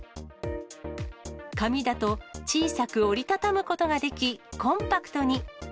紙だと、小さく折り畳むことができ、コンパクトに。